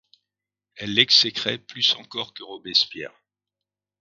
Elle l’exécrait plus encore que Robespierre.